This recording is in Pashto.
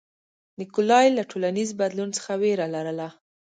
نیکولای له ټولنیز بدلون څخه وېره لرله.